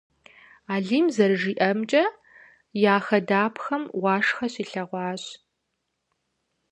Алим зэрыжиӏэмкӏэ, я хадапхэм уашхэ щилъэгъуащ.